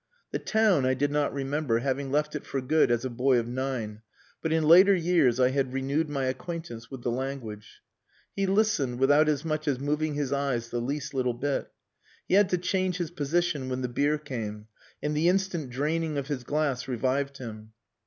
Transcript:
The town I did not remember, having left it for good as a boy of nine, but in later years I had renewed my acquaintance with the language. He listened, without as much as moving his eyes the least little bit. He had to change his position when the beer came, and the instant draining of his glass revived him.